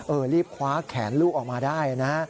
รีบคว้าแขนลูกออกมาได้นะฮะ